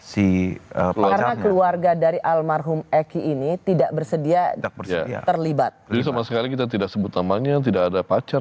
si keluarga dari almarhum eki ini tidak bersedia terlibat kita tidak sebut namanya tidak ada pacar